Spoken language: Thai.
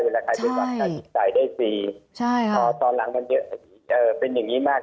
เวลาใครเป็นวัฒนาติดต่ายได้ฟรีตอนหลังมันเป็นอย่างนี้มาก